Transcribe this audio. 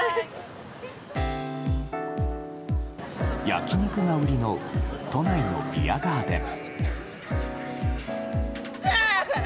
焼き肉が売りの都内のビアガーデン。